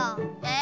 え